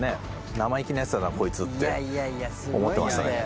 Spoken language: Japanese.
生意気なヤツだなこいつって思ってましたね。